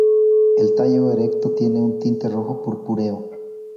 El tallo erecto tiene un tinte rojo purpúreo.